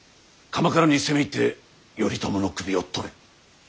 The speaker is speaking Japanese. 鎌倉に攻め入って頼朝の首を取れ。